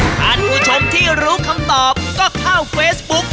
ท่านผู้ชมที่รู้คำตอบก็เข้าเฟซบุ๊ก